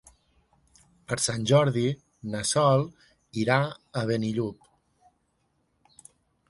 Per Sant Jordi na Sol irà a Benillup.